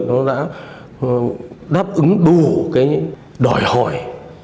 nó đã đáp ứng đủ cái đòi hỏi